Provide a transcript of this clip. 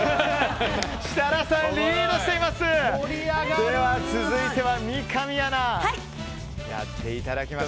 設楽さん、リードしています。